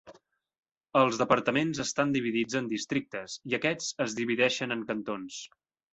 Els departaments estan dividits en districtes, i aquests es divideixen en cantons.